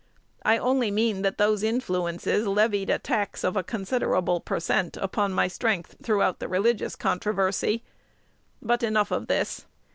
I only mean that those influences levied a tax of a considerable per cent upon my strength throughout the religious controversy. But enough of this.